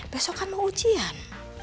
besok kan mau ujian